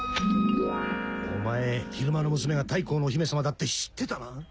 お前昼間の娘が大公のお姫さまだって知ってたな。